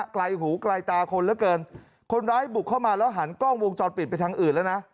ไกลหูไกลตาคนเหลือเกินคนร้ายบุกเข้ามาแล้วหันกล้องวงจรปิดไปทางอื่นแล้วนะ